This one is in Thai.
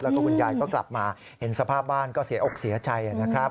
แล้วก็คุณยายก็กลับมาเห็นสภาพบ้านก็เสียอกเสียใจนะครับ